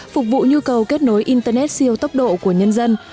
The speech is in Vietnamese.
phục vụ nhu cầu kết nối internet siêu tốc độ của nhân dân